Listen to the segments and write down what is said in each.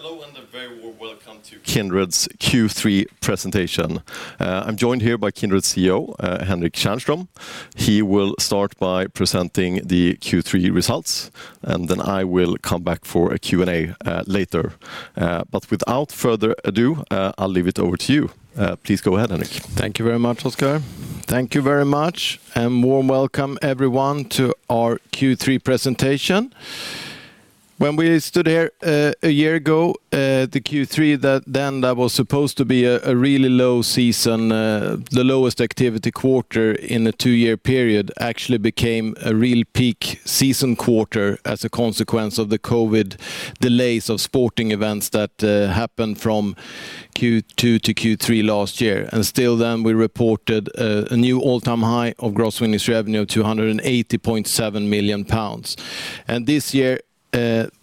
Hello and a very warm welcome to Kindred's Q3 presentation. I'm joined here by Kindred CEO, Henrik Tjärnström. He will start by presenting the Q3 results, and then I will come back for a Q&A later. Without further ado, I'll leave it over to you. Please go ahead, Henrik. Thank you very much, Oskar. Thank you very much and warm welcome everyone to our Q3 presentation. When we stood here a year ago, the Q3 that was supposed to be a really low season, the lowest activity quarter in a two year period actually became a real peak season quarter as a consequence of the COVID delays of sporting events that happened from Q2 to Q3 last year. Still then we reported a new all-time high of gross winnings revenue of 280.7 million pounds. This year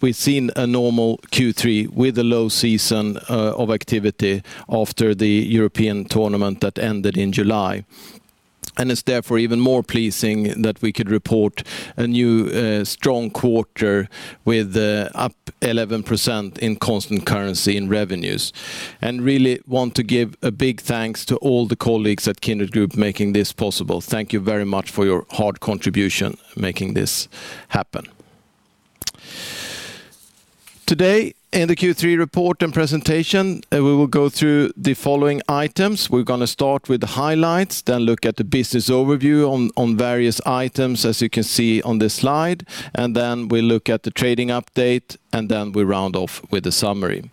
we've seen a normal Q3 with a low season of activity after the European tournament that ended in July. It's therefore even more pleasing that we could report a new strong quarter with up 11% in constant currency in revenues. I really want to give a big thanks to all the colleagues at Kindred Group making this possible. Thank you very much for your hard contribution making this happen. Today, in the Q3 report and presentation, we will go through the following items. We're going to start with the highlights, then look at the business overview on various items as you can see on this slide, and then we look at the trading update, and then we round off with a summary.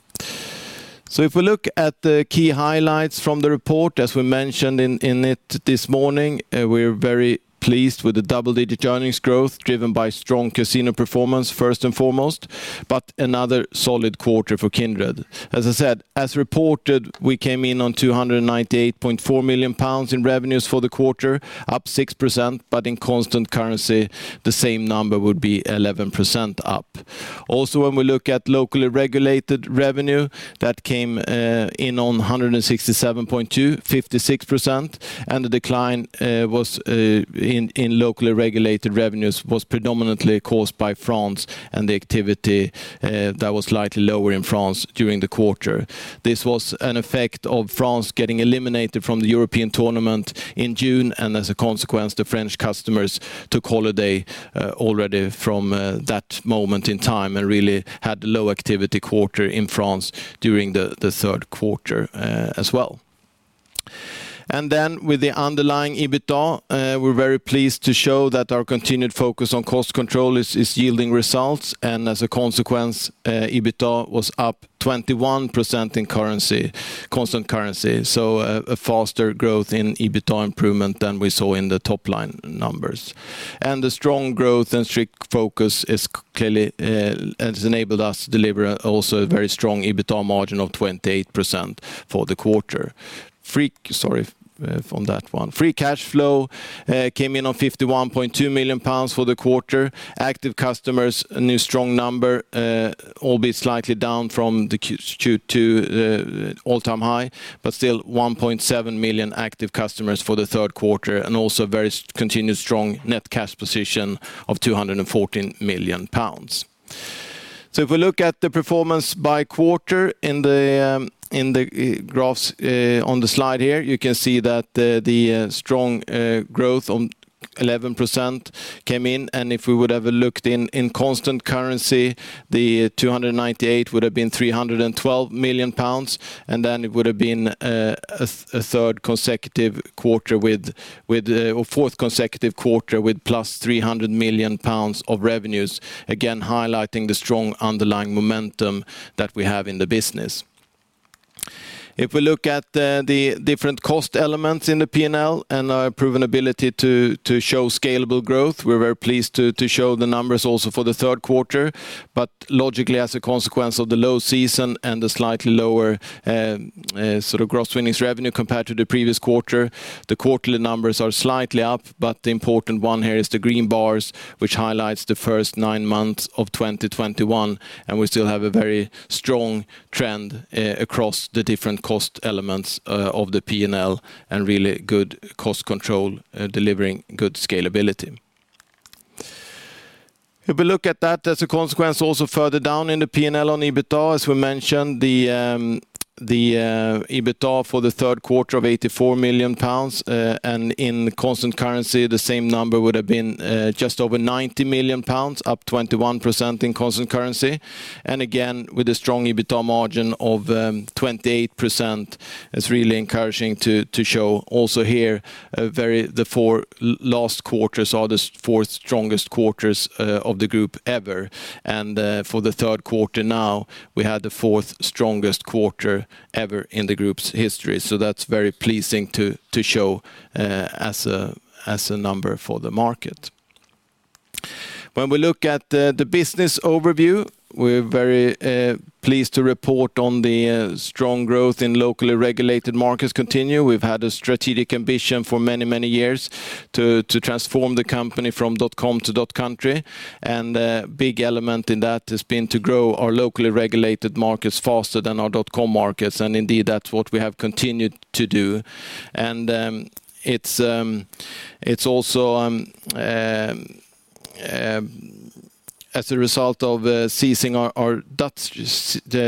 If we look at the key highlights from the report, as we mentioned in it this morning, we're very pleased with the double-digit earnings growth driven by strong casino performance first and foremost, but another solid quarter for Kindred. As I said, as reported, we came in on 298.4 million pounds in revenues for the quarter, up 6%, but in constant currency, the same number would be 11% up. Also, when we look at locally regulated revenue, that came in on 167.2 million, 56%. The decline in locally regulated revenues was predominantly caused by France and the activity that was slightly lower in France during the quarter. This was an effect of France getting eliminated from the European tournament in June, and as a consequence, the French customers took holiday already from that moment in time and really had low activity quarter in France during the Q3 as well. With the underlying EBITDA, we're very pleased to show that our continued focus on cost control is yielding results. As a consequence, EBITDA was up 21% in constant currency. A faster growth in EBITDA improvement than we saw in the top-line numbers. The strong growth and strict focus has enabled us to deliver also a very strong EBITDA margin of 28% for the quarter. Free cash flow came in on 51.2 million pounds for the quarter. Active customers, a new strong number, albeit slightly down from the Q2 all-time high, but still 1.7 million active customers for the Q3, and also very continued strong net cash position of 214 million pounds. If we look at the performance by quarter in the graphs on the slide here, you can see that the strong growth on 11% came in. If we would have looked in constant currency, the 298 would have been 312 million pounds, and then it would have been a third consecutive quarter with or fourth consecutive quarter with plus 300 million pounds of revenues, again highlighting the strong underlying momentum that we have in the business. If we look at the different cost elements in the P&L and our proven ability to show scalable growth, we're very pleased to show the numbers also for the Q3. Logically, as a consequence of the low season and the slightly lower sort of gross winnings revenue compared to the previous quarter, the quarterly numbers are slightly up. The important one here is the green bars, which highlights the first nine months of 2021, and we still have a very strong trend across the different cost elements of the P&L and really good cost control delivering good scalability. If we look at that as a consequence, also further down in the P&L on EBITDA, as we mentioned, the EBITDA for the Q3 of 84 million pounds, and in constant currency, the same number would have been just over 90 million pounds, up 21% in constant currency. Again, with a strong EBITDA margin of 28%, it's really encouraging to show also here. The four last quarters are the fourth strongest quarters of the group ever. For the Q3 now, we had the fourth strongest quarter ever in the group's history. That's very pleasing to show as a number for the market. When we look at the business overview, we're very pleased to report on the strong growth in locally regulated markets continue. We've had a strategic ambition for many years to transform the company from dotcom to dotcountry, and a big element in that has been to grow our locally regulated markets faster than our dotcom markets, and indeed that's what we have continued to do. As a result of ceasing our Dutch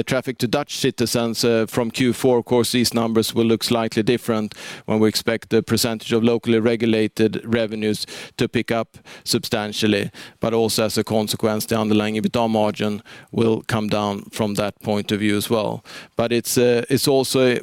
traffic to Dutch citizens from Q4, of course, these numbers will look slightly different when we expect the percentage of locally regulated revenues to pick up substantially. Also as a consequence, the underlying EBITDA margin will come down from that point of view as well. It's also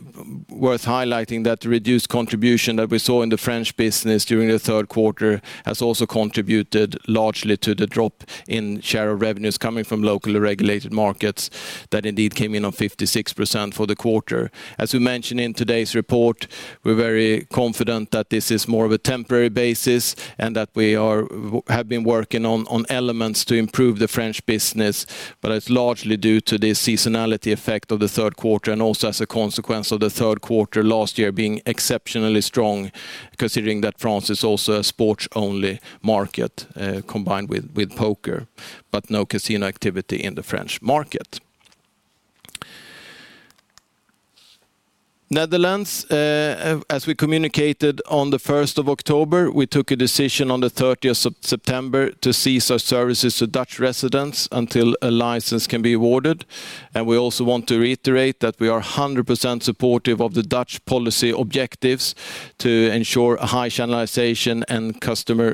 worth highlighting that the reduced contribution that we saw in the French business during the Q3 has also contributed largely to the drop in share of revenues coming from locally regulated markets that indeed came in on 56% for the quarter. As we mentioned in today's report, we're very confident that this is more of a temporary basis, and that we have been working on elements to improve the French business. It's largely due to the seasonality effect of the Q3, and also as a consequence of the Q3 last year being exceptionally strong considering that France is also a sports-only market, combined with poker, but no casino activity in the French market. Netherlands, as we communicated on the first of October, we took a decision on the thirtieth September to cease our services to Dutch residents until a license can be awarded. We also want to reiterate that we are 100% supportive of the Dutch policy objectives to ensure a high channelization and customer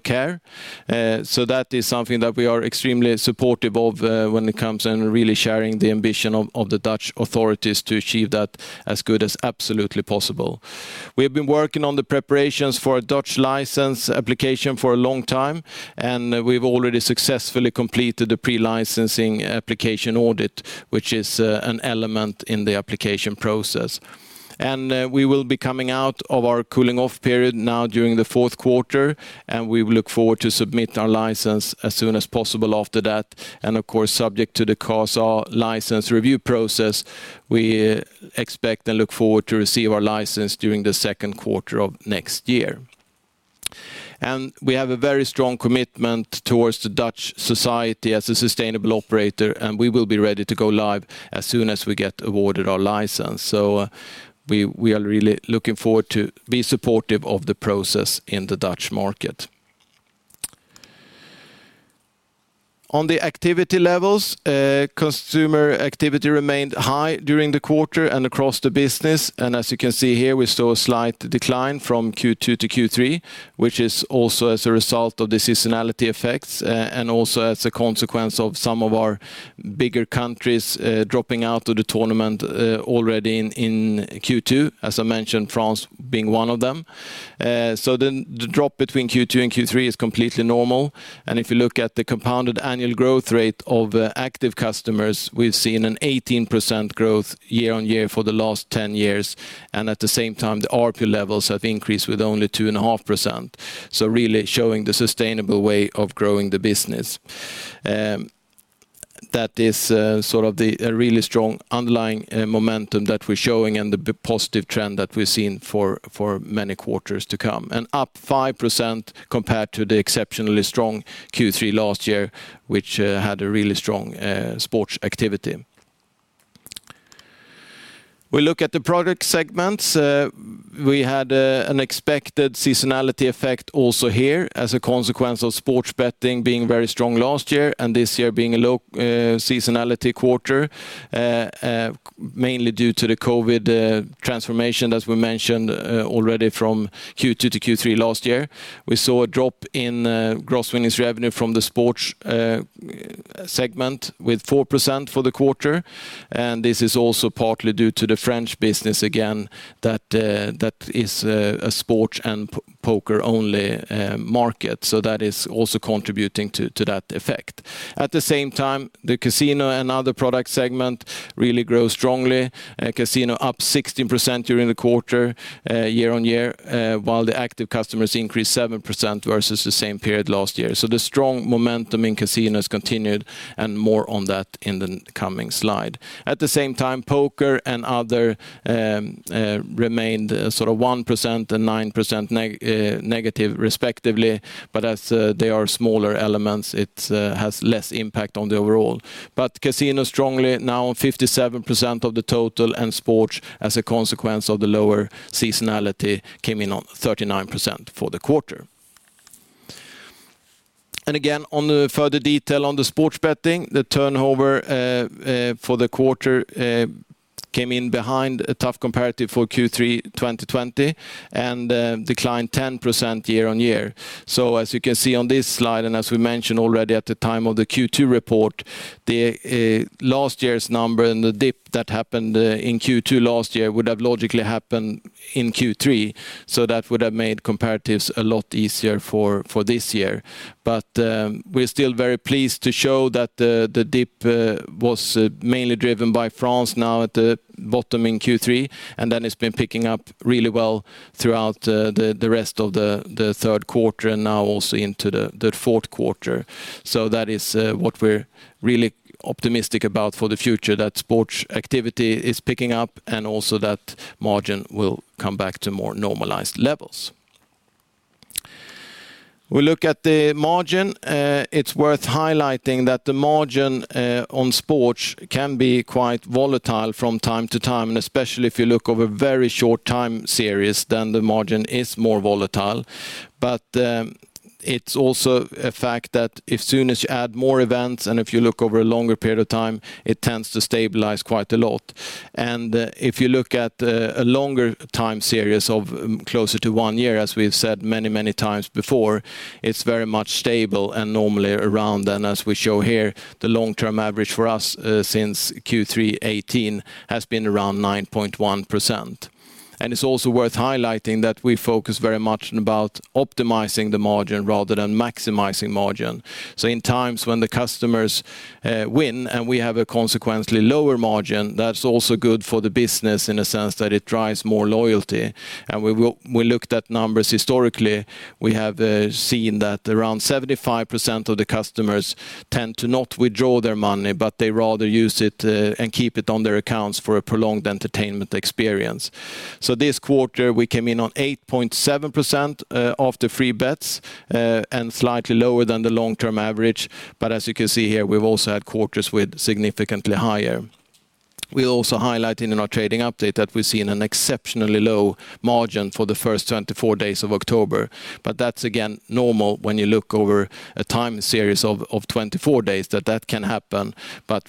care. That is something that we are extremely supportive of, when it comes and really sharing the ambition of the Dutch authorities to achieve that as good as absolutely possible. We have been working on the preparations for a Dutch license application for a long time, and we've already successfully completed the pre-licensing application audit, which is an element in the application process. We will be coming out of our cooling off period now during the Q4, and we will look forward to submit our license as soon as possible after that. Of course, subject to the Kansspelautoriteit license review process, we expect and look forward to receive our license during the Q2 of next year. We have a very strong commitment towards the Dutch society as a sustainable operator, and we will be ready to go live as soon as we get awarded our license. On the activity levels, consumer activity remained high during the quarter and across the business. As you can see here, we saw a slight decline from Q2 to Q3, which is also as a result of the seasonality effects, and also as a consequence of some of our bigger countries dropping out of the tournament already in Q2, as I mentioned, France being one of them. The drop between Q2 and Q3 is completely normal. If you look at the compound annual That is sort of a really strong underlying momentum that we're showing and the positive trend that we're seeing for many quarters to come. Up 5% compared to the exceptionally strong Q3 last year, which had a really strong sports activity. We look at the product segments. We had an expected seasonality effect also here as a consequence of sports betting being very strong last year and this year being a low seasonality quarter mainly due to the COVID transformation, as we mentioned, already from Q2 to Q3 last year. We saw a drop in gross winnings revenue from the sports segment with 4% for the quarter. This is also partly due to the poker only market. That is also contributing to that effect. At the same time, the casino and other product segment really grow strongly. Casino up 16% during the quarter, year-on-year, while the active customers increased 7% versus the same period last year. The strong momentum in casinos continued, and more on that in the coming slide. At the same time, poker and other remained sort of 1% and 9% negative respectively. As they are smaller elements, it has less impact on the overall. Casino strongly now on 57% of the total, and sports, as a consequence of the lower seasonality, came in on 39% for the quarter. Again, on the further detail on the sports betting, the turnover for the quarter that happened in Q2 last year would have logically happened in Q3. That would have made comparatives a lot easier for this year. We're still very pleased to show that the dip was mainly driven by France now at the bottom in Q3, and then it's been picking up really well throughout the rest of the Q3 and now also into the Q4. That is what we're really optimistic about for the future, that sports activity is picking up and also that margin will come back to more normalized levels. We look at the margin. It's worth highlighting that the margin on sports can be quite volatile from time to time, and especially if you look over a very short time series, then the margin is more volatile. It's also a fact that as soon as you add more events, and if you look over a longer period of time, it tends to stabilize quite a lot. If you look at a longer time series of closer to one year, as we've said many, many times before, it's very much stable and normally around ten, as we show here, the long-term average for us since Q3 2018 has been around 9.1%. It's also worth highlighting that we focus very much about optimizing the margin rather than maximizing margin. In times when the customers win and we have a consequently lower margin, that's also good for the business in a sense that it drives more loyalty. We looked at numbers historically, we have seen that around 75% of the customers tend to not withdraw their money, but they rather use it and keep it on their accounts for a prolonged entertainment experience. We're also highlighting in our trading update that we've seen an exceptionally low margin for the first 24 days of October. That's again normal when you look over a time series of 24 days that can happen.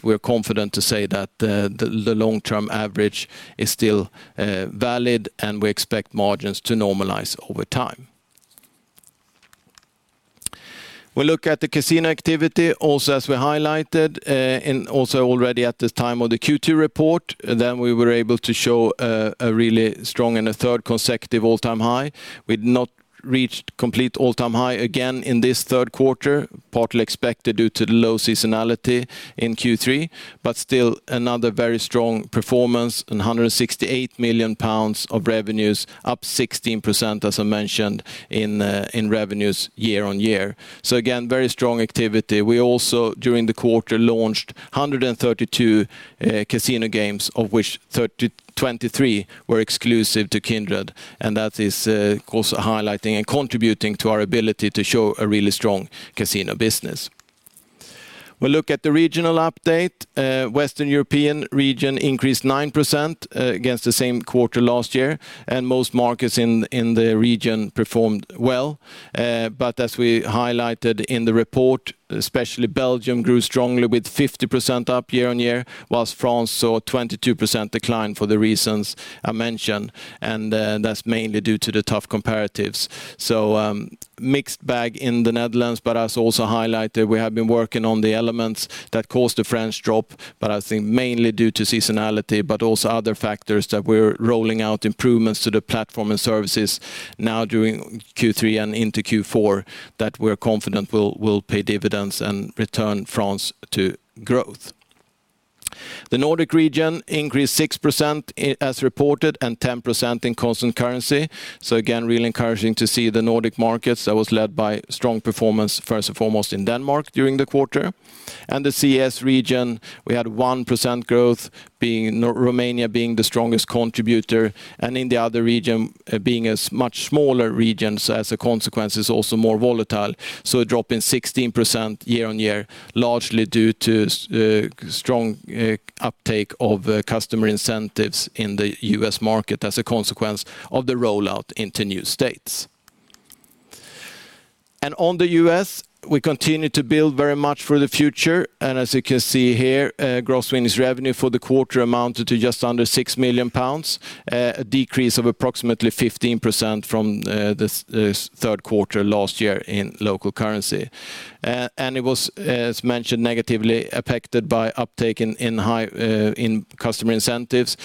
We're confident to say that the long-term average is still valid, and we expect margins to normalize over time. not reached complete all-time high again in this Q3, partly expected due to the low seasonality in Q3, but still another very strong performance and 168 million pounds of revenues, up 16%, as I mentioned, in revenues year-on-year. Again, very strong activity. We also, during the quarter, launched 132 casino games, of which 23 were exclusive to Kindred, and that is also highlighting and contributing to our ability to show a really strong casino business. We look at the regional update, Western European region increased 9% against the same quarter last year, and most markets in the region performed well. As we highlighted in the report, especially Belgium grew strongly with 50% up year-on-year, while France saw a 22% decline for the reasons I mentioned. That's mainly due to the tough comparatives. Mixed bag in the Netherlands, but as also highlighted, we have been working on the elements that caused the French drop, but I think mainly due to seasonality, but also other factors that we're rolling out improvements to the platform and services now during Q3 and into Q4 that we're confident will pay dividends and return France to growth. The Nordic region increased 6% as reported and 10% in constant currency. Again, really encouraging to see the Nordic markets that was led by strong performance, first and foremost in Denmark during the quarter. The CES region, we had 1% growth in Romania being the strongest contributor, and in the other region, being much smaller regions as a consequence, is also more volatile. A drop in 16% year-on-year, largely due to strong uptake of customer incentives in the U.S. market as a consequence of the rollout into new states. On the U.S., we continue to build very much for the future. As you can see here, Gross winnings revenue for the quarter amounted to just under 6 million pounds, a decrease of approximately 15% from this Q3 last year in local currency. It was, as mentioned, negatively affected by uptake in high customer incentives.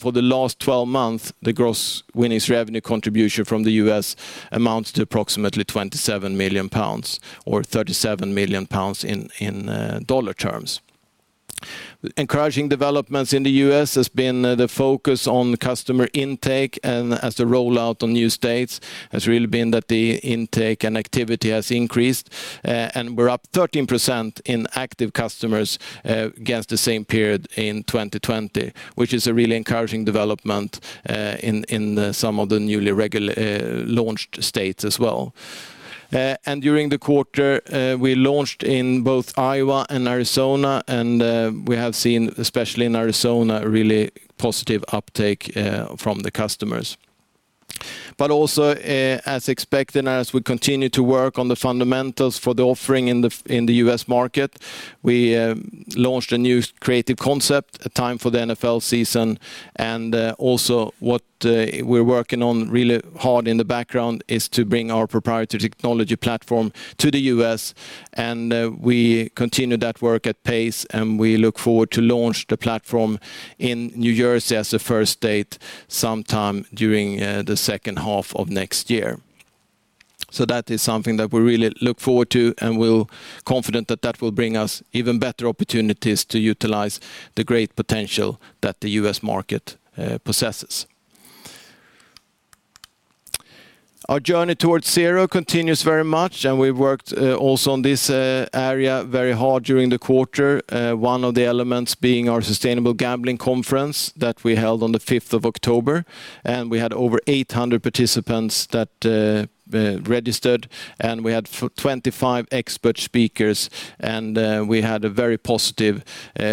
For the last 12 months, the Gross winnings revenue contribution from the U.S. amounts to approximately 27 million pounds or $37 million in dollar terms. Encouraging developments in the U.S. has been the focus on customer intake. As the rollout on new states has really been that the intake and activity has increased. We're up 13% in active customers against the same period in 2020, which is a really encouraging development in some of the newly launched states as well. But also, as expected, as we continue to work on the fundamentals for the offering in the U.S. market, we launched a new creative concept aimed for the NFL season. Also what we're working on really hard in the background is to bring our proprietary technology platform to the U.S. We continue that work at pace, and we look forward to launch the platform in New Jersey as the first state sometime during the second Our journey towards zero continues very much, and we worked also on this area very hard during the quarter, one of the elements being our sustainable gambling conference that we held on the fifth of October. We had over 800 participants that registered, and we had 25 expert speakers, and we had a very positive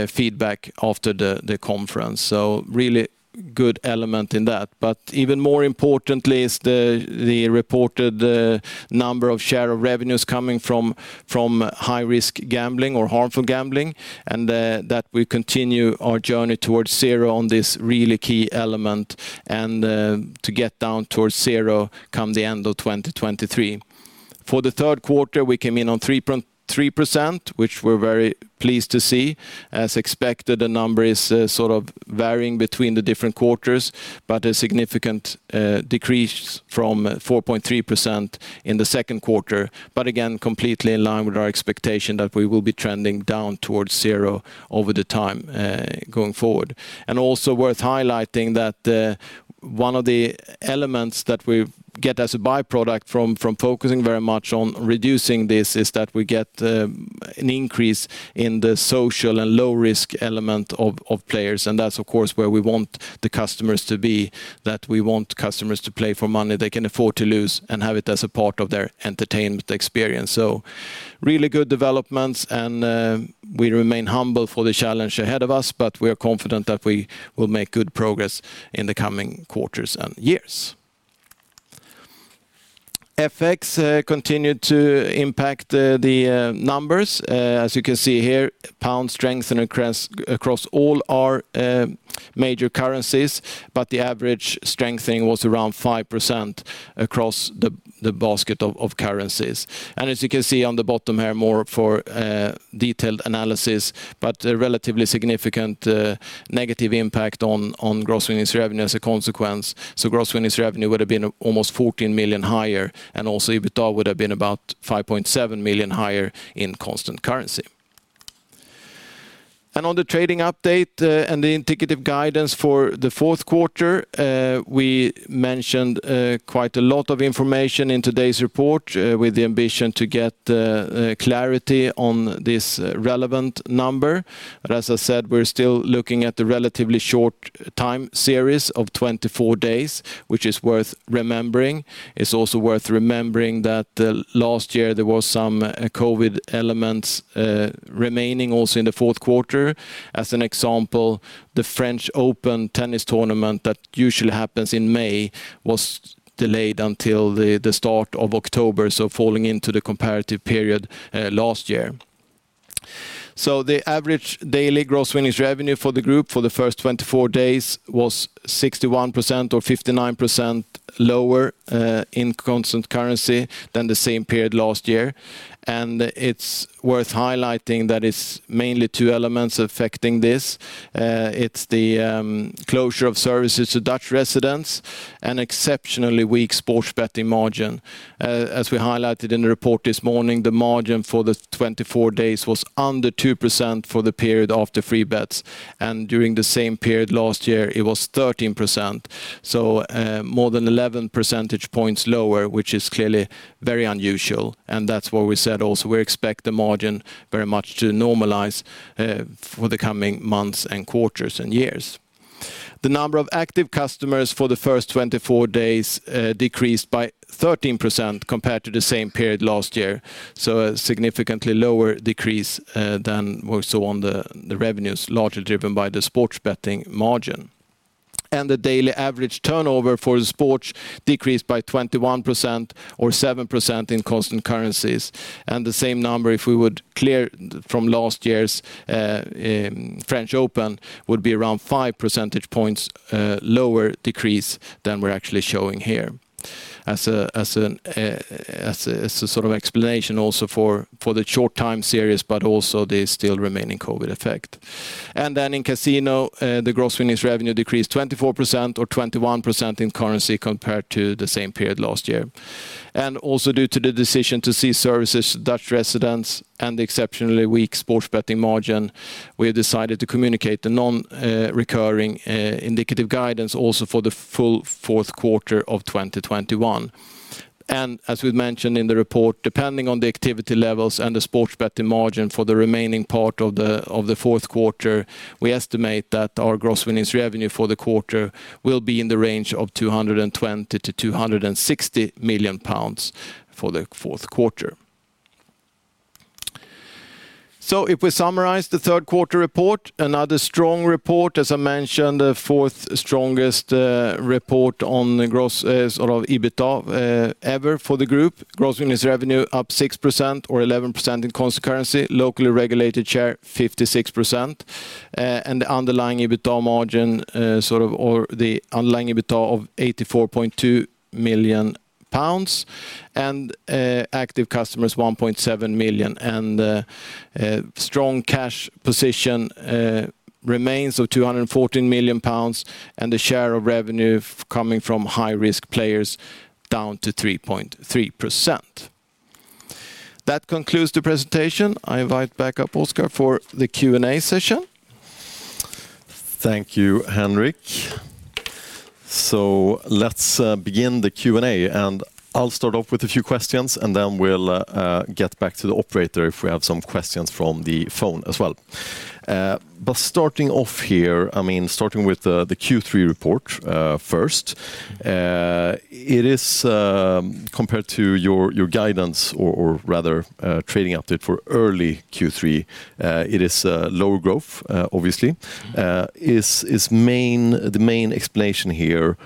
feedback after the conference. Really good element in that. Even more importantly is the reported number or share of revenues coming from high-risk gambling or harmful gambling, and that we continue our journey towards zero on this really key element and to get down towards zero come the end of 2023. For the Q3, we came in on 3.3%, which we're very pleased to see. As expected, the number is sort of varying between the different quarters, but a significant decrease from 4.3% in the Q2. Again, completely in line with our expectation that we will be trending down towards zero over the time going forward. Also worth highlighting that one of the elements that we get as a by-product from focusing very much on reducing this is that we get an increase in the social and low-risk element of players. That's of course where we want the customers to be, that we want customers to play for money they can afford to lose and have it as a part of their entertainment experience. Really good developments, and we remain humble for the challenge ahead of us, but we are confident that we will make good progress in the coming quarters and years. the basket of currencies. As you can see on the bottom here, more for detailed analysis, but a relatively significant negative impact on gross winnings revenue as a consequence. Gross winnings revenue would have been almost 14 million higher, and also EBITDA would have been about 5.7 million higher in constant currency. On the trading update and the indicative guidance for the Q4, we mentioned quite a lot of information in today's report with the ambition to get the clarity on this relevant number. As I said, we're still looking at the relatively short time series of 24 days, which is worth remembering. It's also worth remembering that last year there was some COVID elements remaining also in the Q4. As an example, the French Open tennis tournament that usually happens in May was delayed until the start of October, so falling into the comparative period last year. The average daily Gross Winnings Revenue for the group for the first 24 days was 61% or 59% lower in constant currency than the same period last year. It's worth highlighting that it's mainly two elements affecting this. It's the closure of services to Dutch residents and exceptionally weak sports betting margin. As we highlighted in the report this morning, the margin for the 24 days was under 2% for the period after free bets, and during the same period last year, it was 13%. More than 11 percentage points lower, which is clearly very unusual, and that's why we said also we expect the margin very much to normalize for the coming months and quarters and years. The number of active customers for the first 24 days decreased by 13% compared to the same period last year, so a significantly lower decrease than we saw on the revenues, largely driven by the sports betting margin. The daily average turnover for the sports decreased by 21% or 7% in constant currencies. The same number, if we would clear from last year's French Open, would be around 5% points lower decrease than we're actually showing here. As we mentioned in the report, depending on the activity levels and the sports betting margin for the remaining part of the Q4, we estimate that our gross winnings revenue for the quarter will be in the range of 220 million-260 million pounds for the Q4. If we summarize the Q3 report, another strong report, as I mentioned, the fourth strongest report on the gross EBITDA ever for the group. Gross winnings revenue up 6% or 11% in constant currency, locally regulated share 56%. The underlying EBITDA margin or the underlying EBITDA of 84.2 million pounds, and active customers 1.7 million. A strong cash position remains of 214 million pounds, and the share of revenue coming from high-risk players down to 3.3%. That concludes the presentation. I invite back up Oskar for the Q&A session. Thank you, Henrik. I'll start off with a few questions, and then we'll get back to the operator if we have some questions from the phone as well. Starting off here, I mean, starting with the Q3 report first. It is compared to your guidance or rather trading update for early Q3, it is lower growth obviously. Is the main explanation here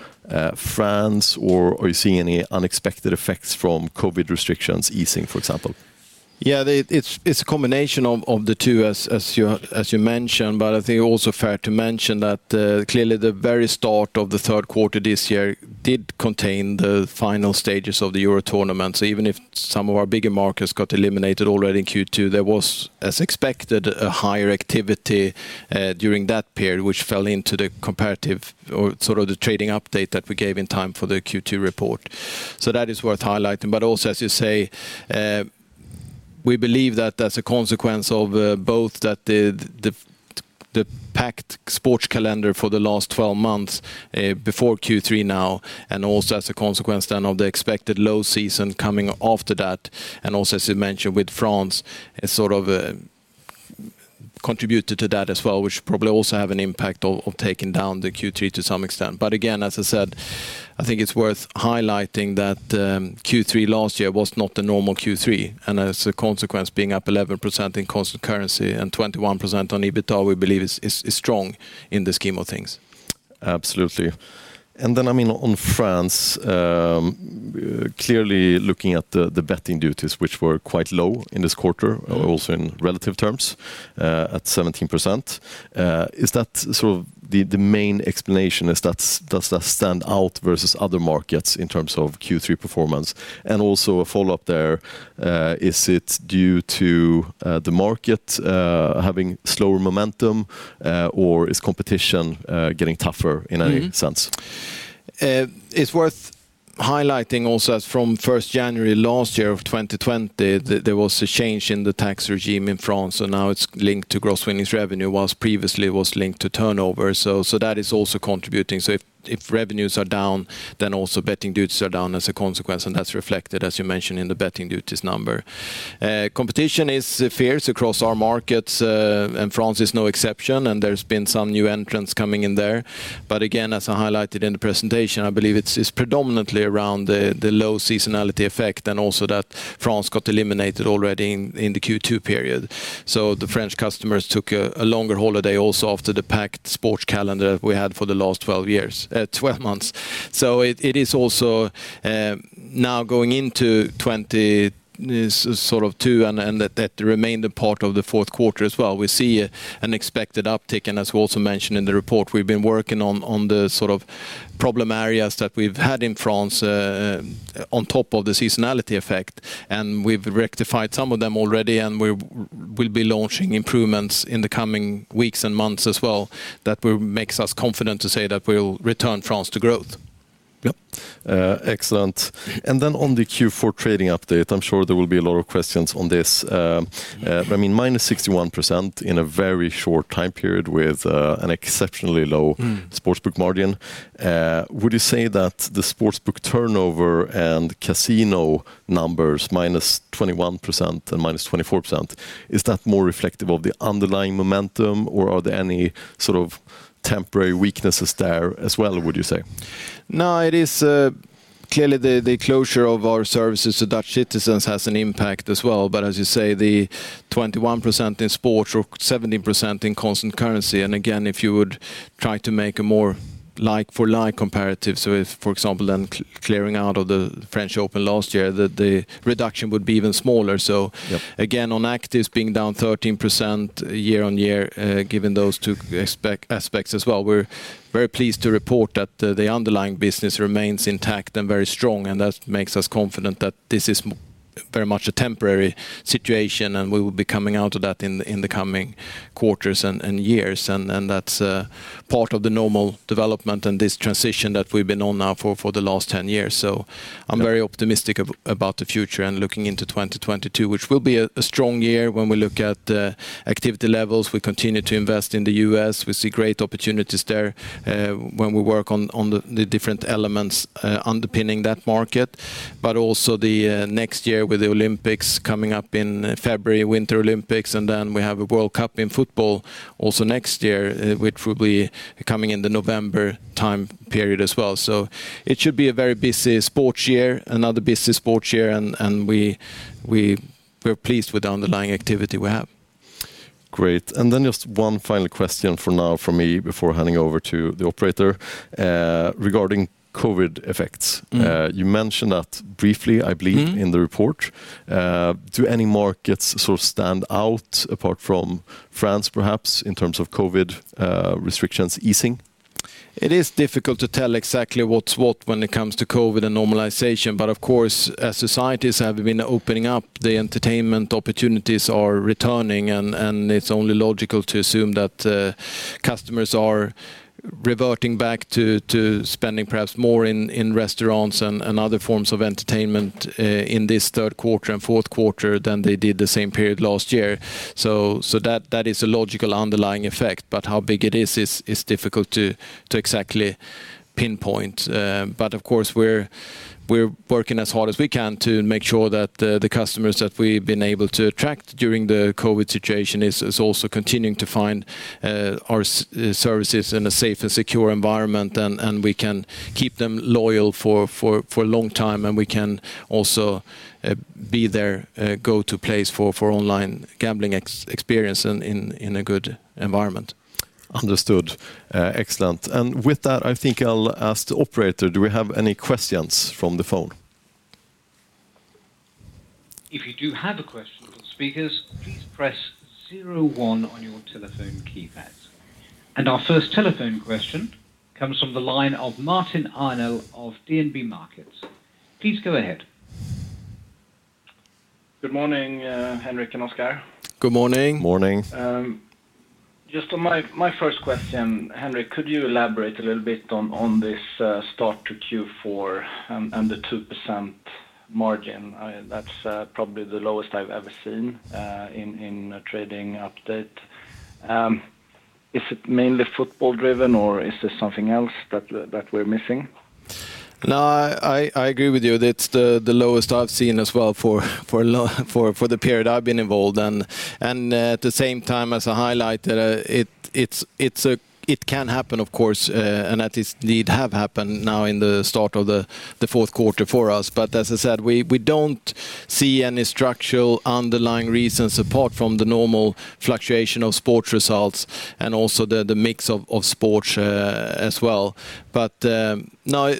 Yeah, it's a combination of the two as you mentioned. I think it's also fair to mention that clearly the very start of the Q3 this year did contain the final stages of the Euro tournament. Even if some of our bigger markets got eliminated already in Q2, there was, as expected, a higher activity during that period which fell into the comparative or sort of the trading update that we gave in time for the Q2 report. That is worth highlighting. Also, as you say, we believe that that's a consequence of both that the packed sports calendar for the last 12 months before Q3 now, and also as a consequence then of the expected low season coming after that. Also, as you mentioned, with France, it sort of contributed to that as well, which probably also have an impact of taking down the Q3 to some extent. Again, as I said, I think it's worth highlighting that Q3 last year was not a normal Q3, and as a consequence, being up 11% in constant currency and 21% on EBITDA, we believe is strong in the scheme of things. Absolutely. the main explanation? Does that stand out versus other markets in terms of Q3 performance? Also a follow-up there, is it due to the market having slower momentum, or is competition getting tougher in any sense? It's worth If revenues are down, then also betting duties are down as a consequence, and that's reflected, as you mentioned, in the betting duties number. Competition is fierce across our markets, and France is no exception, and there's been some new entrants coming in there. Again, as I highlighted in the presentation, I believe it's predominantly around the low seasonality effect and also that France got eliminated already in the Q2 period. The French customers took a longer holiday also after the packed sports calendar we had for the last 12 sort of Q2, and that remainder part of the Q4 as well, we see an expected uptick. As we also mentioned in the report, we've been working on the sort of problem areas that we've had in France, on top of the seasonality effect. We've rectified some of them already, and we will be launching improvements in the coming weeks and months as well that will make us confident to say that we'll return France to growth. Yep. Excellent. On the Q4 trading update, I'm sure there will be a lot of questions on this. I mean, -61% in a very short time period with an exceptionally low sportsbook margin. Would you say that the sportsbook turnover and casino numbers, -21% and -24%, is that more reflective of the underlying momentum? Or are there any sort of temporary weaknesses there as well, would you say? No, it is clearly the closure of our services to Dutch citizens has an impact as well. As you say, the 21% in sports or 17% in constant currency, and again, if you would try to make a more like for like comparative, if, for example, clearing out of the French Open last year, the reduction would be even smaller. Yep... again, on actives being down 13% year-over-year, given those two aspects as well, we're very pleased to report that the underlying business remains intact and very strong, and that makes us confident that this is very much a temporary situation, and we will be coming out of that in the coming quarters and years. That's part of the normal development and this transition that we've been on now for the last 10 years. I'm very optimistic about the future and looking into 2022, which will be a strong year when we look at activity levels. We continue to invest in the U.S. We see great opportunities there, when we work on the different elements underpinning that market. Also the next year with the Olympics coming up in February, Winter Olympics, and then we have a World Cup in football also next year, which will be coming in the November time period as well. It should be a very busy sports year, another busy sports year, and we're pleased with the underlying activity we have. Great. Then just one final question for now from me before handing over to the operator, regarding COVID effects. You mentioned that briefly, I believe. In the report. Do any markets sort of stand out apart from France perhaps in terms of COVID restrictions easing? It is difficult to tell exactly what's what when it comes to COVID and normalization, but of course, as societies have been opening up, the entertainment opportunities are returning and it's only logical to assume that customers are reverting back to spending perhaps more in restaurants and other forms of entertainment in this Q3 and Q4 than they did the same period last year. That is a logical underlying effect. How big it is difficult to exactly pinpoint but of course we're working as hard as we can to make sure that the customers that we've been able to attract during the COVID situation is also continuing to find our services in a safe and secure environment and we can keep them loyal for a long time, and we can also be their go-to place for online gambling experience in a good environment. Understood. Excellent. With that, I think I'll ask the operator, do we have any questions from the phone? If you do have a question for speakers, please press zero one on your telephone keypad. Our first telephone question comes from the line of Martin Arnell of DNB Markets. Please go ahead. Good morning, Henrik and Oskar. Good morning. Just on my first question, Henrik, could you elaborate a little bit on this start to Q4 and the 2% margin? That's probably the lowest I've ever seen in a trading update. Is it mainly football driven, or is there something else that we're missing? No, I agree with you. It's the lowest I've seen as well for the period I've been involved. At the same time, as I highlighted, it can happen, of course, and at this date have happened now in the start of the Q4 for us. As I said, we don't see any structural underlying reasons apart from the normal fluctuation of sports results and also the mix of sports as well. Now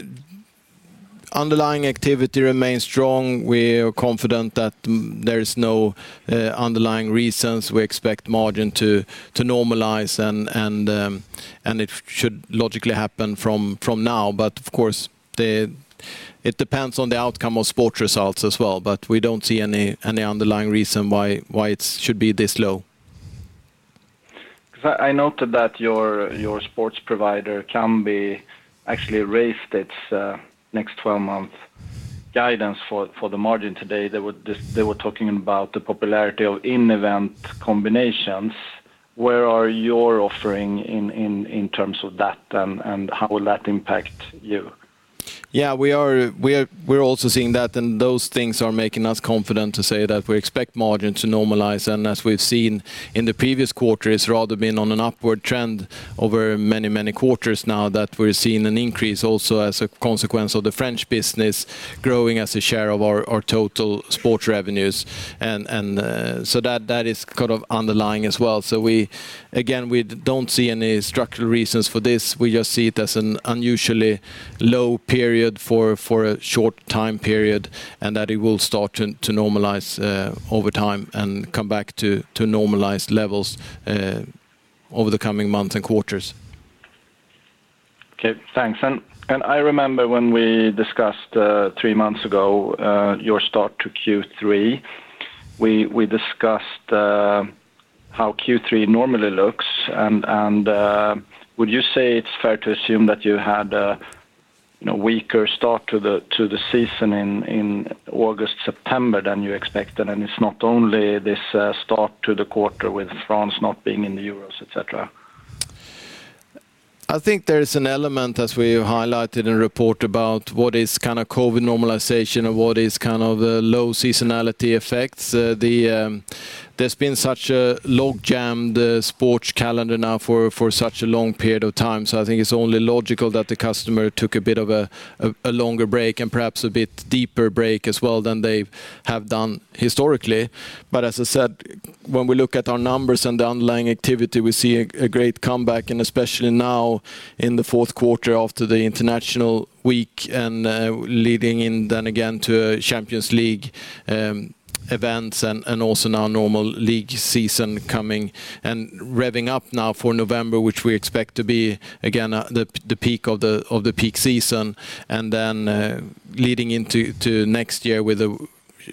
underlying activity remains strong. We are confident that there is no underlying reasons. We expect margin to normalize and it should logically happen from now. Of course, it depends on the outcome of sports results as well. We don't see any underlying reason why it should be this low. Cause I noted that your sports provider, Kambi, actually raised its next 12-month guidance for the margin today. They were talking about the popularity of in-event combinations. Where are your offering in terms of that and how will that impact you? Yeah. We're also seeing that, and those things are making us confident to say that we expect margin to normalize. As we've seen in the previous quarter, it's rather been on an upward trend over many quarters now that we're seeing an increase also as a consequence of the French business growing as a share of our total sports revenues. That is kind of underlying as well. We again don't see any structural reasons for this. We just see it as an unusually low period for a short time period, and that it will start to normalize over time and come back to normalized levels over the coming months and quarters. Okay. Thanks. I remember when we discussed three months ago your start to Q3, we discussed how Q3 normally looks. Would you say it's fair to assume that you had a you know weaker start to the season in August, September than you expected, and it's not only this start to the quarter with France not being in the Euros, et cetera? I think there is an element, as we highlighted in the report, about what is kind of COVID normalization and what is kind of low seasonality effects. There's been such a logjammed sports calendar now for such a long period of time, so I think it's only logical that the customer took a bit of a longer break and perhaps a bit deeper break as well than they have done historically. But as I said, when we look at our numbers and the underlying activity, we see a great comeback, and especially now in the Q4 after the international week and leading in then again to Champions League events and also now normal league season coming. Revving up now for November, which we expect to be again the peak of the peak season and then leading into next year with the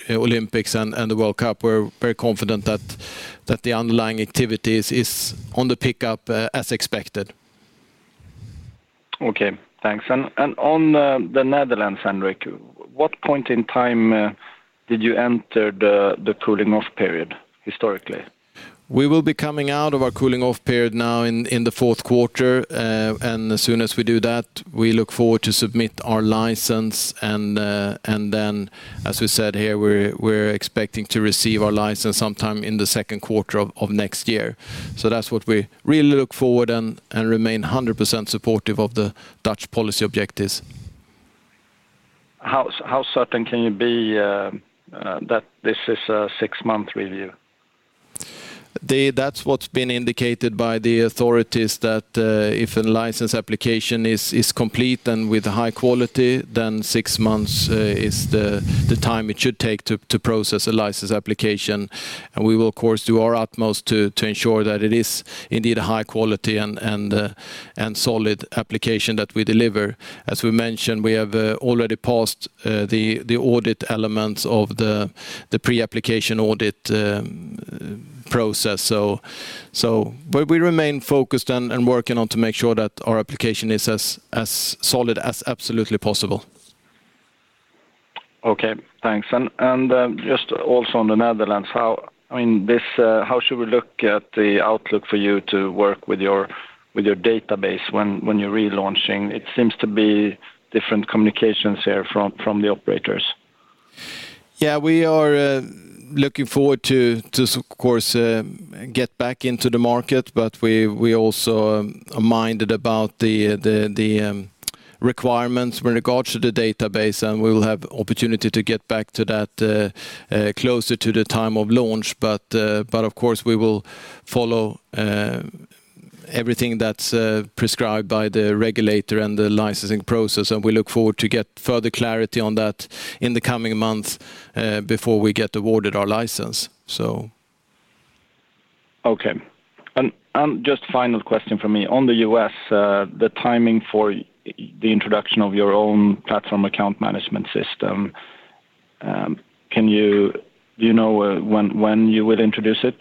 Olympics and the World Cup. We're very confident that the underlying activity is on the pickup as expected. Okay. Thanks. On the Netherlands, Henrik, what point in time did you enter the cooling off period historically? We will be coming out of our cooling off period now in the Q4. As soon as we do that, we look forward to submit our license and then as we said here, we're expecting to receive our license sometime in the Q2 of next year. That's what we really look forward and remain 100% supportive of the Dutch policy objectives. How certain can you be that this is a six-month review? That's what's been indicated by the authorities that if a license application is complete and with high quality, then six months is the time it should take to process a license application. We will of course do our utmost to ensure that it is indeed a high quality and solid application that we deliver. As we mentioned, we have already passed the audit elements of the pre-application audit process. We remain focused and working on to make sure that our application is as solid as absolutely possible. Okay. Thanks. Just also on the Netherlands, how should we look at the outlook for you to work with your database when you're relaunching? It seems to be different communications here from the operators. Yeah. We are looking forward to, of course, get back into the market, but we also are minded about the requirements with regards to the database, and we will have opportunity to get back to that closer to the time of launch. Of course, we will follow everything that's prescribed by the regulator and the licensing process, and we look forward to get further clarity on that in the coming months before we get awarded our license. Okay. Just final question from me. On the U.S., the timing for the introduction of your own platform account management system, do you know when you will introduce it?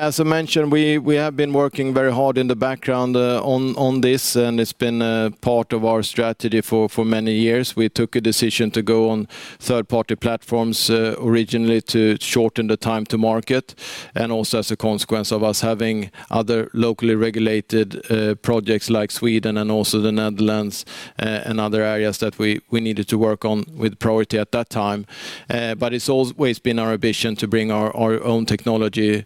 Yeah. As I mentioned, we have been working very hard in the background on this, and it's been part of our strategy for many years. We took a decision to go on third-party platforms, originally to shorten the time to market and also as a consequence of us having other locally regulated projects like Sweden and also the Netherlands, and other areas that we needed to work on with priority at that time. It's always been our ambition to bring our own technology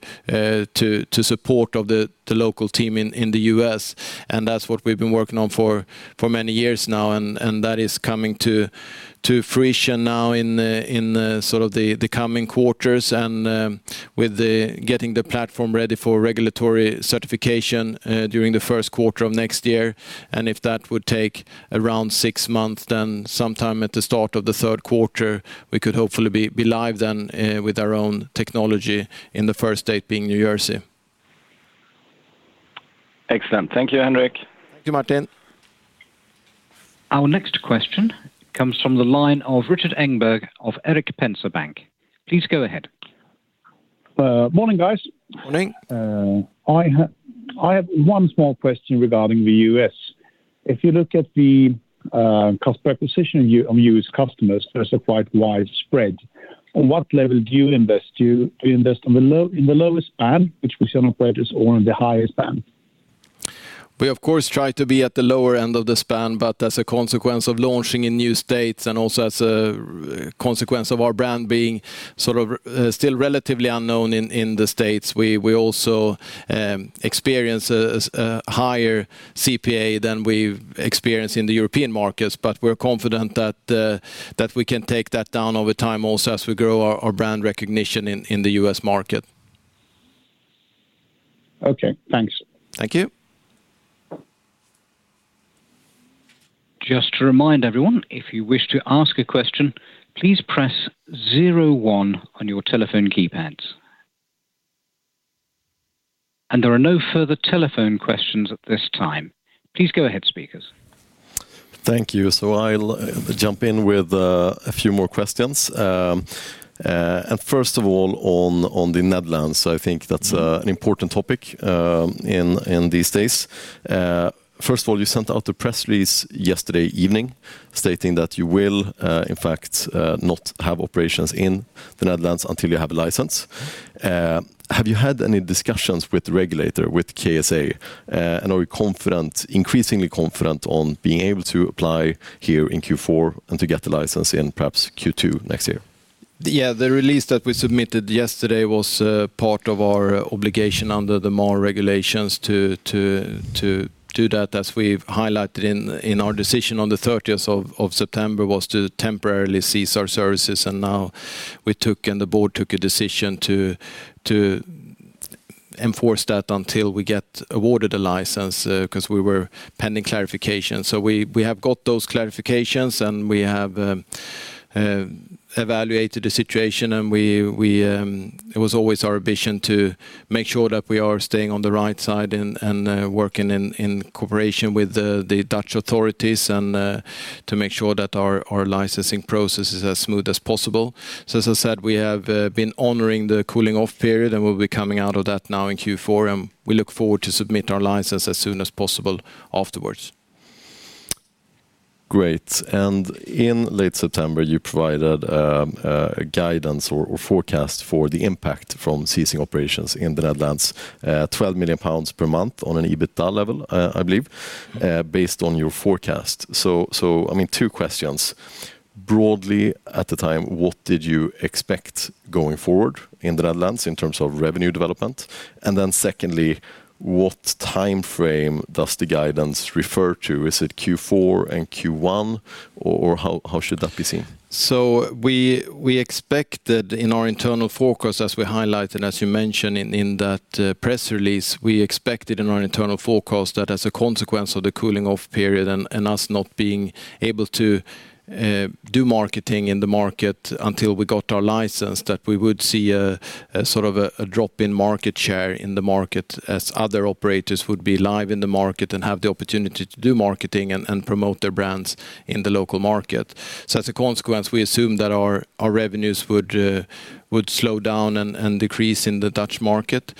to support of the local team in the U.S., and that's what we've been working on for many years now, and that is coming to fruition now in sort of the coming quarters and with the getting the platform ready for regulatory certification during the first quarter of next year. If that would take around six months, then sometime at the start of the Q3, we could hopefully be live then with our own technology in the first state being New Jersey. Excellent. Thank you, Henrik. Thank you, Martin. Our next question comes from the line of Rikard Engberg of Erik Penser Bank. Please go ahead. Morning, guys. Morning. I have one small question regarding the U.S. If you look at the cost per acquisition of U.S. customers, there's a quite wide spread. On what level do you invest? Do you invest in the lowest band, which we see on operators or in the highest band? We of course try to be at the lower end of the span, but as a consequence of launching in new states and also as a consequence of our brand being sort of still relatively unknown in the States, we also experience a higher CPA than we've experienced in the European markets. We're confident that we can take that down over time also as we grow our brand recognition in the U.S. market. Okay, thanks. Thank you. Just to remind everyone, if you wish to ask a question, please press zero one on your telephone keypads. There are no further telephone questions at this time. Please go ahead, speakers. Thank you. I'll jump in with a few more questions. First of all, on the Netherlands, I think that's an important topic in these days. First of all, you sent out a press release yesterday evening stating that you will, in fact, not have operations in the Netherlands until you have a license. Have you had any discussions with the regulator, with Kansspelautoriteit? Are we confident, increasingly confident on being able to apply here in Q4 and to get the license in perhaps Q2 next year? Yeah. The release that we submitted yesterday was part of our obligation under the MAR regulations to do that, as we've highlighted in our decision on the thirtieth of September, was to temporarily cease our services. Now we and the board took a decision to enforce that until we get awarded a license, 'cause we were pending clarification. We have got those clarifications, and we have evaluated the situation, and it was always our ambition to make sure that we are staying on the right side and working in cooperation with the Dutch authorities and to make sure that our licensing process is as smooth as possible. As I said, we have been honoring the cooling-off period and we'll be coming out of that now in Q4, and we look forward to submit our license as soon as possible afterwards. Great. In late September, you provided guidance or forecast for the impact from ceasing operations in the Netherlands, 12 million pounds per month on an EBITDA level, I believe, based on your forecast. So, I mean, two questions. Broadly, at the time, what did you expect going forward in the Netherlands in terms of revenue development? And then secondly, what timeframe does the guidance refer to? Is it Q4 and Q1, or how should that be seen? We expected in our internal forecast, as we highlighted, as you mentioned in that press release, that as a consequence of the cooling-off period and us not being able to do marketing in the market until we got our license, that we would see a sort of a drop in market share in the market as other operators would be live in the market and have the opportunity to do marketing and promote their brands in the local market. As a consequence, we assume that our revenues would slow down and decrease in the Dutch market.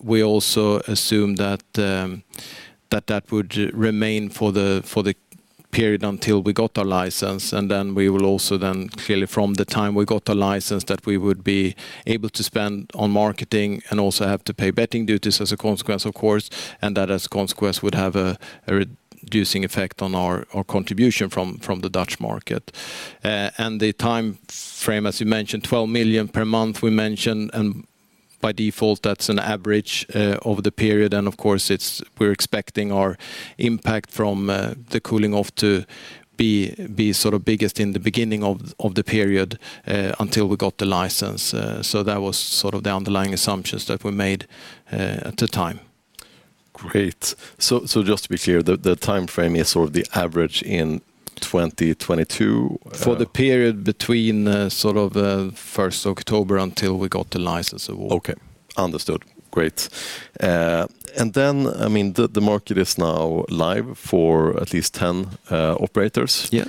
We also assume that that would remain for the period until we got our license. Then we will also then clearly from the time we got the license that we would be able to spend on marketing and also have to pay betting duties as a consequence, of course, and that as a consequence would have a reducing effect on our contribution from the Dutch market. The timeframe, as you mentioned, 12 million per month, we mentioned and by default, that's an average over the period, and of course, it's. We're expecting our impact from the cooling off to be sort of biggest in the beginning of the period until we got the license. That was sort of the underlying assumptions that we made at the time. Great. Just to be clear, the timeframe is sort of the average in 2022. For the period between, sort of, first October until we got the license award. Okay. Understood. Great. I mean, the market is now live for at least 10 operators. Yeah.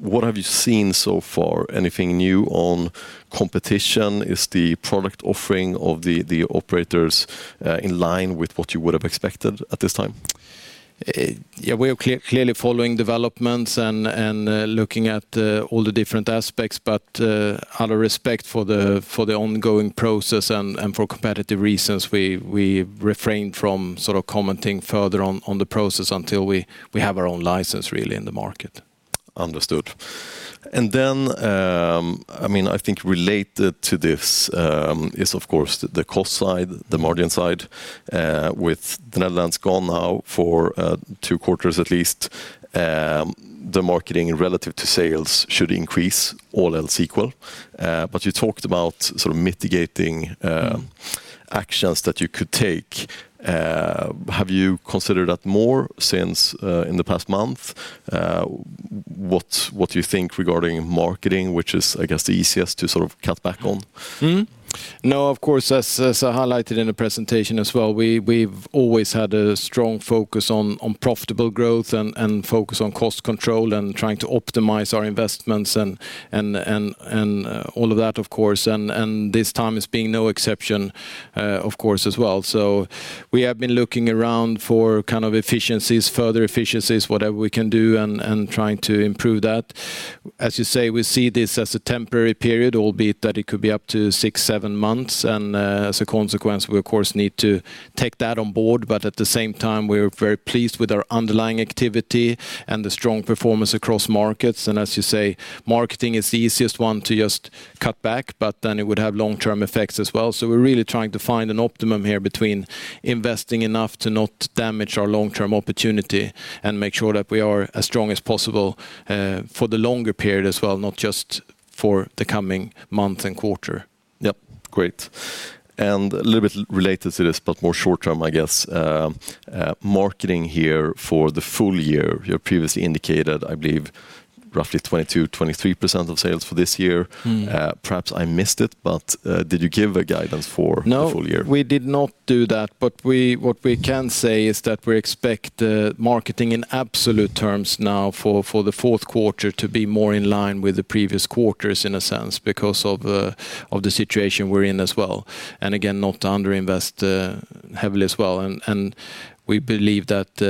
What have you seen so far? Anything new on competition? Is the product offering of the operators in line with what you would have expected at this time? Yeah, we're clearly following developments and looking at all the different aspects. Out of respect for the ongoing process and for competitive reasons, we refrain from sort of commenting further on the process until we have our own license really in the market. Understood. Then, I mean, I think related to this is of course the cost side, the margin side. With the Netherlands gone now for two quarters at least, the marketing relative to sales should increase all else equal. You talked about sort of mitigating actions that you could take. Have you considered that more since in the past month? What do you think regarding marketing, which is, I guess, the easiest to sort of cut back on? No, of course, as I highlighted in the presentation as well, we've always had a strong focus on profitable growth and focus on cost control and trying to optimize our investments and all of that, of course. This time is no exception, of course, as well. We have been looking around for kind of efficiencies, further efficiencies, whatever we can do and trying to improve that. As you say, we see this as a temporary period, albeit that it could be up to 6-7 months. As a consequence, we of course need to take that on board. At the same time, we're very pleased with our underlying activity and the strong performance across markets. As you say, marketing is the easiest one to just cut back, but then it would have long-term effects as well. We're really trying to find an optimum here between investing enough to not damage our long-term opportunity and make sure that we are as strong as possible, for the longer period as well, not just for the coming month and quarter. Yep. Great. A little bit related to this, but more short term, I guess. Marketing here for the full year, you previously indicated, I believe, roughly 22%-23% of sales for this year. Perhaps I missed it, but did you give a guidance for the full year? No, we did not do that. What we can say is that we expect marketing in absolute terms now for the Q4 to be more in line with the previous quarters in a sense because of the situation we're in as well. Again, not to under-invest heavily as well. We believe that,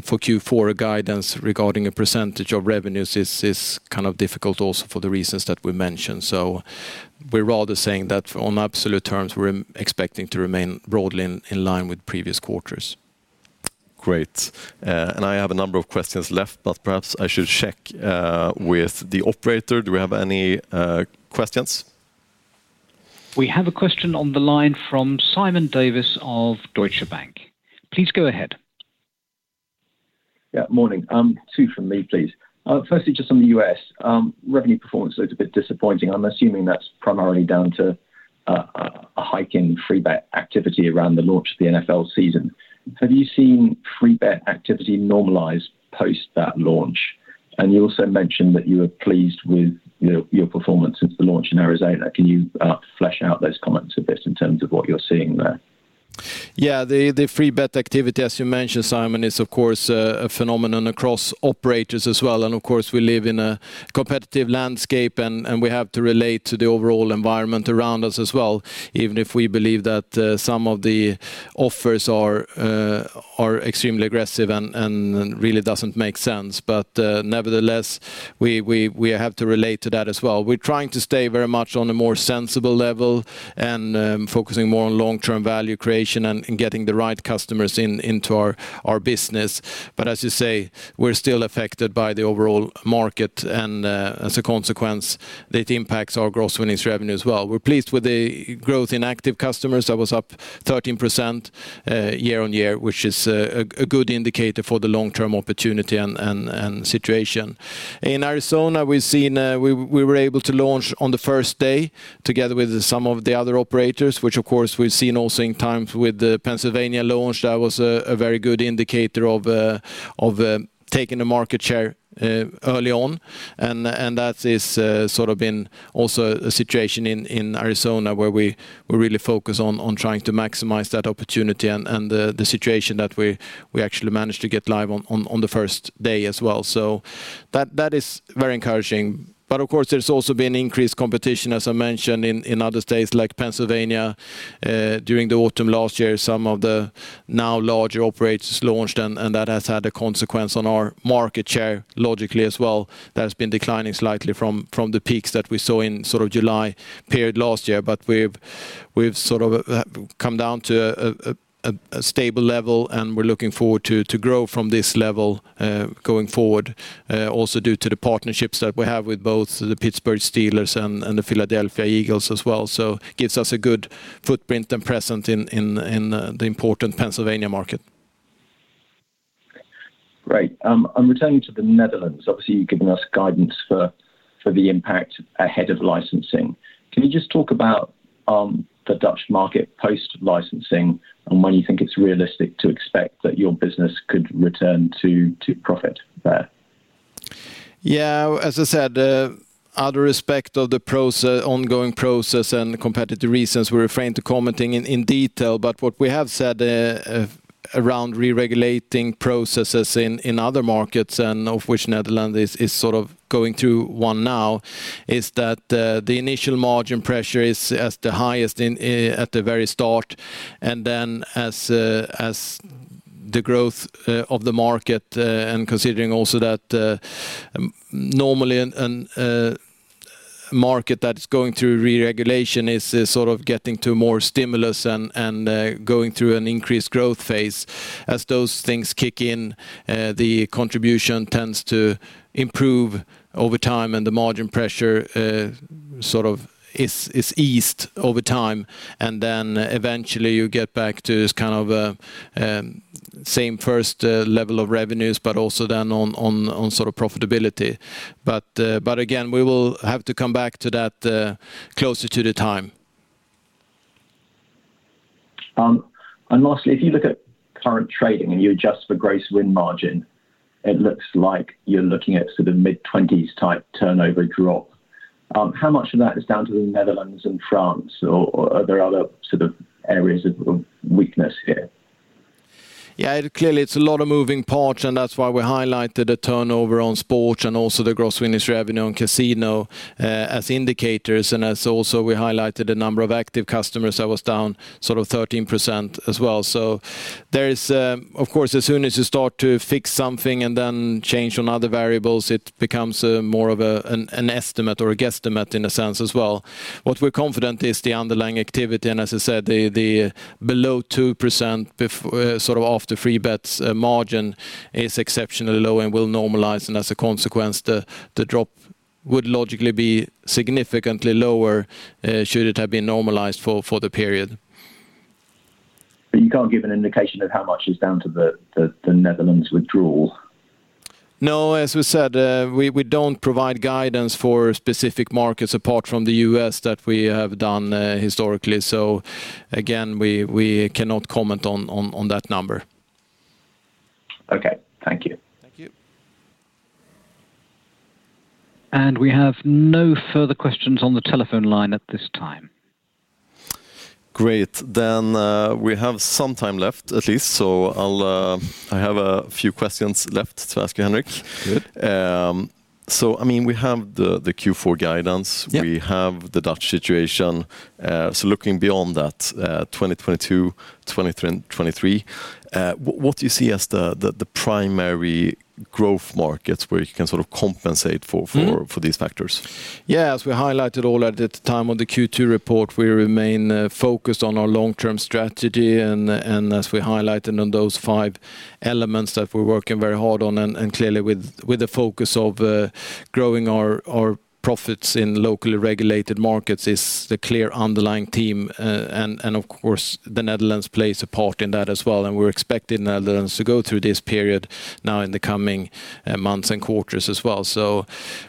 for Q4, guidance regarding a percentage of revenues is kind of difficult also for the reasons that we mentioned. We're rather saying that on absolute terms, we're expecting to remain broadly in line with previous quarters. Great. I have a number of questions left, but perhaps I should check with the operator. Do we have any questions? We have a question on the line from Simon Davies of Deutsche Bank. Please go ahead. Morning. Two from me, please. Firstly, just on the U.S., revenue performance looks a bit disappointing. I'm assuming that's primarily down to a hike in free bet activity around the launch of the NFL season. Have you seen free bet activity normalize post that launch? You also mentioned that you are pleased with your performance since the launch in Arizona. Can you flesh out those comments a bit in terms of what you're seeing there? Yeah. The free bet activity, as you mentioned, Simon, is of course a phenomenon across operators as well. Of course, we live in a competitive landscape and we have to relate to the overall environment around us as well, even if we believe that some of the offers are extremely aggressive and really doesn't make sense. Nevertheless, we have to relate to that as well. We're trying to stay very much on a more sensible level and focusing more on long-term value creation and getting the right customers into our business. As you say, we're still affected by the overall market and as a consequence, that impacts our Gross winnings revenue as well. We're pleased with the growth in active customers. That was up 13%, year-on-year, which is a good indicator for the long-term opportunity and situation. In Arizona, we've seen we were able to launch on the first day together with some of the other operators, which of course we've seen also in line with the Pennsylvania launch. That was a very good indicator of taking the market share early on. That is sort of been also a situation in Arizona where we really focus on trying to maximize that opportunity and the situation that we actually managed to get live on the first day as well. That is very encouraging. Of course, there's also been increased competition, as I mentioned in other states like Pennsylvania during the autumn last year. Some of the now larger operators launched and that has had a consequence on our market share logically as well. That's been declining slightly from the peaks that we saw in sort of July period last year. We've sort of come down to a stable level, and we're looking forward to grow from this level going forward, also due to the partnerships that we have with both the Pittsburgh Steelers and the Philadelphia Eagles as well. Gives us a good footprint and presence in the important Pennsylvania market. Great. I'm returning to the Netherlands. Obviously, you've given us guidance for the impact ahead of licensing. Can you just talk about the Dutch market post-licensing and when you think it's realistic to expect that your business could return to profit there? Yeah. As I said, out of respect for the ongoing process and the competitive reasons, we refrain from commenting in detail. What we have said around reregulating processes in other markets, of which Netherlands is going through one now, is that the initial margin pressure is the highest at the very start. As the growth of the market and considering also that normally a market that's going through reregulation is getting to more stimulus and going through an increased growth phase. As those things kick in, the contribution tends to improve over time, and the margin pressure sort of is eased over time. Then eventually you get back to this kind of the same first level of revenues, but also then on sort of profitability. Again, we will have to come back to that closer to the time. Lastly, if you look at current trading and you adjust for gross win margin, it looks like you're looking at sort of mid-twenties type turnover drop. How much of that is down to the Netherlands and France or are there other sort of areas of weakness here? Yeah. Clearly it's a lot of moving parts, and that's why we highlighted the turnover on sports and also the gross winnings revenue on casino as indicators. As we also highlighted, the number of active customers was down sort of 13% as well. There is, of course, as soon as you start to fix something and then change on other variables, it becomes more of an estimate or a guesstimate in a sense as well. What we're confident is the underlying activity, and as I said, the below 2% sort of after free bets margin is exceptionally low and will normalize. As a consequence, the drop would logically be significantly lower should it have been normalized for the period. You can't give an indication of how much is down to the Netherlands withdrawal? No. As we said, we don't provide guidance for specific markets apart from the U.S. that we have done historically. Again, we cannot comment on that number. Okay. Thank you. Thank you. We have no further questions on the telephone line at this time. Great. We have some time left at least, so I'll, I have a few questions left to ask you, Henrik. Good. I mean, we have the Q4 guidance. Yeah. We have the Dutch situation. Looking beyond that, 2022, 2023, what do you see as the primary growth markets where you can sort of compensate for these factors? Yeah. As we highlighted all at the time of the Q2 report, we remain focused on our long-term strategy. As we highlighted on those five elements that we're working very hard on, and clearly with the focus of growing our profits in locally regulated markets is the clear underlying theme. Of course, the Netherlands plays a part in that as well, and we're expecting Netherlands to go through this period now in the coming months and quarters as well.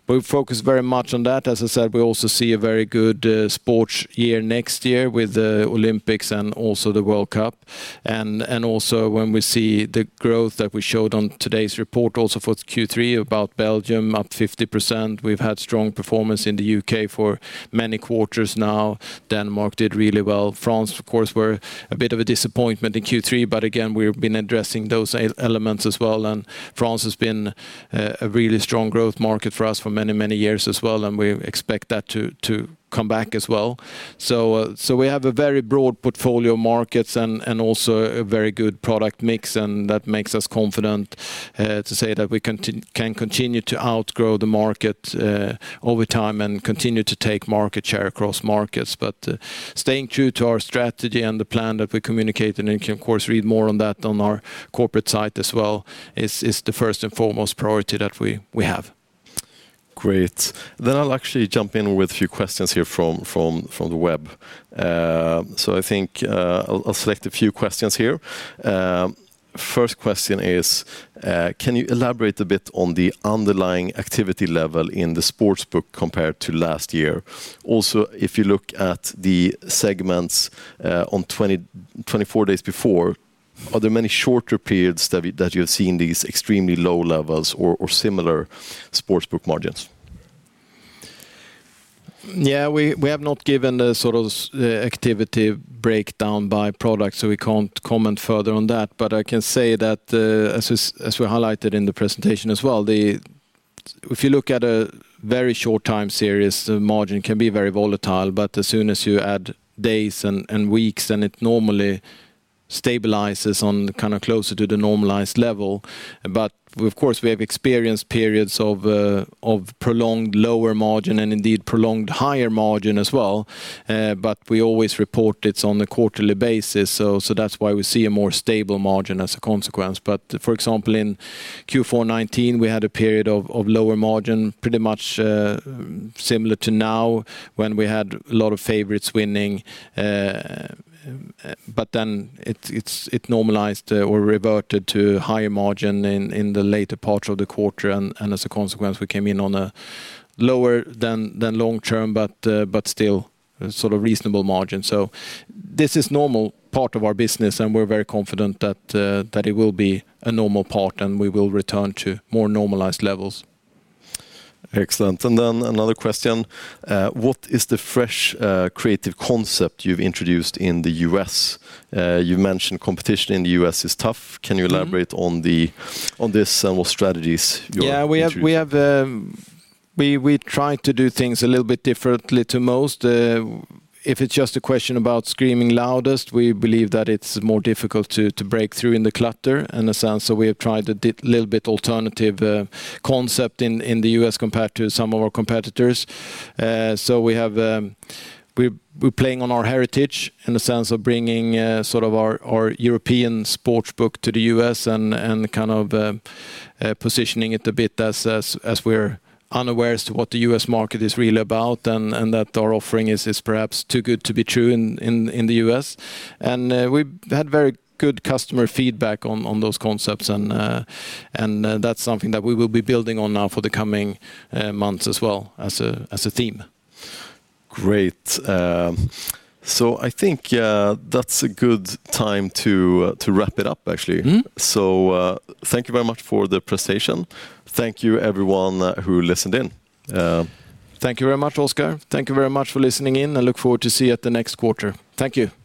We focus very much on that. As I said, we also see a very good sports year next year with the Olympics and also the World Cup. Also when we see the growth that we showed on today's report also for Q3 about Belgium up 50%. We've had strong performance in the U.K. for many quarters now. Denmark did really well. France, of course, were a bit of a disappointment in Q3, but again, we've been addressing those key elements as well. France has been a really strong growth market for us for many, many years as well, and we expect that to come back as well. We have a very broad portfolio of markets and also a very good product mix, and that makes us confident to say that we can continue to outgrow the market over time and continue to take market share across markets. Staying true to our strategy and the plan that we communicated, and you can of course read more on that on our corporate site as well, is the first and foremost priority that we have. Great. I'll actually jump in with a few questions here from the web. So I think, I'll select a few questions here. First question is, can you elaborate a bit on the underlying activity level in the sports book compared to last year? Also, if you look at the segments, on 24 days before, are there many shorter periods that you're seeing these extremely low levels or similar sports book margins? Yeah. We have not given the sort of activity breakdown by product, so we can't comment further on that. I can say that, as we highlighted in the presentation as well. If you look at a very short time series, the margin can be very volatile. As soon as you add days and weeks, then it normally stabilizes on kind of closer to the normalized level. We of course have experienced periods of prolonged lower margin and indeed prolonged higher margin as well. We always report it on a quarterly basis. That's why we see a more stable margin as a consequence. For example, in Q4 2019, we had a period of lower margin, pretty much similar to now when we had a lot of favorites winning. It normalized or reverted to higher margin in the later part of the quarter. As a consequence, we came in on a lower than long-term, but still sort of reasonable margin. This is normal part of our business, and we're very confident that it will be a normal part, and we will return to more normalized levels. Excellent. Then another question. What is the fresh, creative concept you've introduced in the U.S.? You've mentioned competition in the U.S. is tough. Can you elaborate on this and what strategies you're introducing? We try to do things a little bit differently to most. If it's just a question about screaming loudest, we believe that it's more difficult to break through in the clutter, in a sense. We have tried a little bit alternative concept in the U.S. compared to some of our competitors. We're playing on our heritage in the sense of bringing sort of our European sports book to the U.S. and kind of positioning it a bit as we're unaware as to what the U.S. market is really about and that our offering is perhaps too good to be true in the U.S. We've had very good customer feedback on those concepts, and that's something that we will be building on now for the coming months as well as a theme. Great. I think that's a good time to wrap it up actually. Thank you very much for the presentation. Thank you everyone who listened in. Thank you very much, Oskar. Thank you very much for listening in, and I look forward to seeing you at the next quarter. Thank you.